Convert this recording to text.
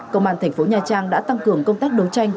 công an thành phố nha trang đã tăng cường công tác đấu tranh